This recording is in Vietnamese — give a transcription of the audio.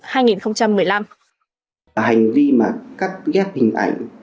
hành vi mà cắt ghép hình ảnh